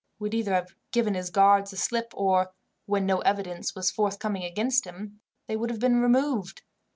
He would either have given his guards the slip, or, when no evidence was forthcoming against him, they would have been removed.